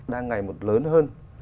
đang ngày một lớn hơn